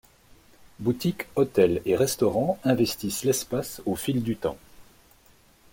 Boutiques, hôtels et restaurants investissent l'espace au fil du temps.